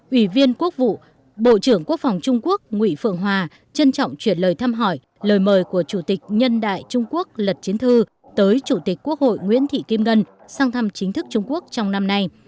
ủy viên quốc vụ bộ trưởng quốc phòng trung quốc nguyễn phượng hòa trân trọng chuyển lời thăm hỏi lời mời của chủ tịch nhân đại trung quốc lật chiến thư tới chủ tịch quốc hội nguyễn thị kim ngân sang thăm chính thức trung quốc trong năm nay